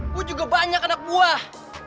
gue juga banyak anak buah